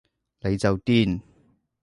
你就癲